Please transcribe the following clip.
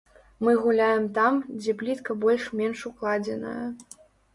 Мы гуляем там, дзе плітка больш-менш укладзеная.